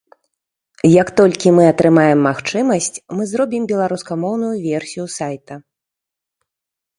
Як толькі мы атрымаем магчымасць, мы зробім беларускамоўную версію сайта.